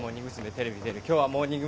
テレビ出る今日はモーニング娘。